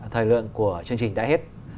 thời lượng của chương trình đã hết